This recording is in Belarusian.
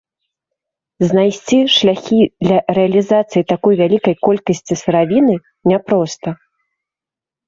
Знайсці шляхі для рэалізацыі такой вялікай колькасці сыравіны няпроста.